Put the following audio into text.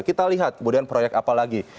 kita lihat kemudian proyek apa lagi